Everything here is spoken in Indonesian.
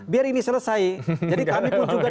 biar ini selesai jadi kami pun juga